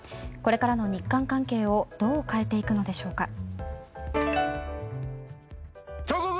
これからの日韓関係をどう変えていくのでしょうか。